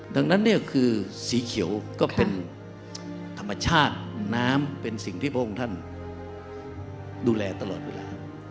ดังนั้นเนี่ยคือสีเขียวก็เป็นธรรมชาติน้ำเป็นสิ่งที่พระองค์ท่านดูแลตลอดเวลา